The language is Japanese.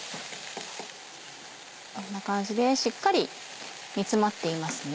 こんな感じでしっかり煮詰まっていますね。